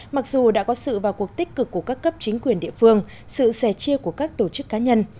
mặc dù đã có sự vào cuộc tích cực của các cấp chính quyền địa phương sự sẻ chia của các tổ chức cá nhân